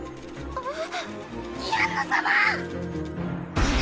あっ。